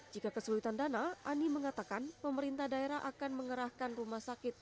jika kesulitan dana ani mengatakan pemerintah daerah akan mengerahkan rumah sakit